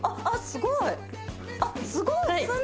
あっあっすごい！